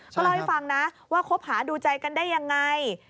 ก็เล่าให้ฟังนะว่าคบหาดูใจกันได้ยังไง